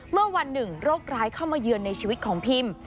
เมื่อวันหนึ่งโรคร้ายเข้ามาเยือนในชีวิตของพิม